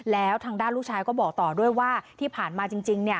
แล้วทางด้านลูกชายก็บอกต่อด้วยว่าที่ผ่านมาจริง